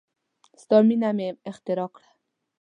ستا مینه مې اختراع کړه